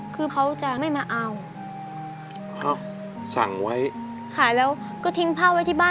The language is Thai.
คือเขาจะไม่มาเอาเขาสั่งไว้ค่ะแล้วก็ทิ้งผ้าไว้ที่บ้าน